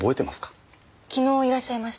昨日いらっしゃいました。